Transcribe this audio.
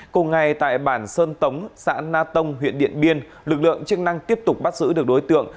cùng ngày tại bản sơn tống xã na tông huyện điện biên lực lượng chức năng tiếp tục bắt giữ được đối tượng